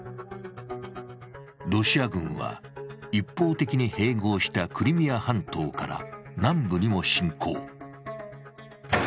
ロシア軍は一方的に併合したクリミア半島から南部にも侵攻。